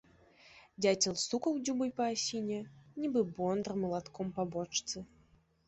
Дзяцел стукаў дзюбай па асіне, нібы бондар малатком па бочцы.